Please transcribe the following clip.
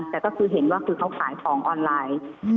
แต่ก็คือเห็นว่าคือเขาขายของออนไลน์